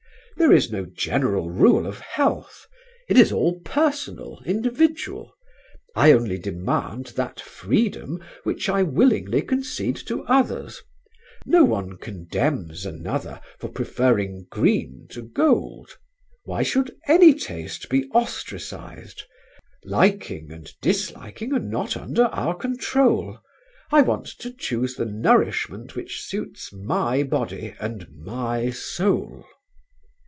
"There is no general rule of health; it is all personal, individual.... I only demand that freedom which I willingly concede to others. No one condemns another for preferring green to gold. Why should any taste be ostracised? Liking and disliking are not under our control. I want to choose the nourishment which suits my body and my soul."